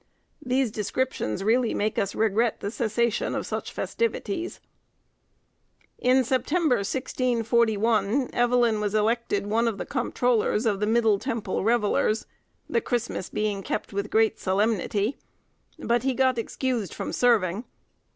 These descriptions really make us regret the cessation of such festivities. In December, 1641, Evelyn was elected one of the comptrollers of the Middle Temple revellers, the Christmas being kept with great solemnity; but he got excused from serving.